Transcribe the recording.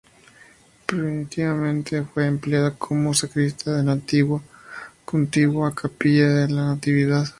Primitivamente fue empleada como sacristía de la contigua Capilla de la Natividad.